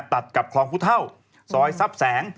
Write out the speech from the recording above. ตัดกับคลองพุท่าวซอยซับแสง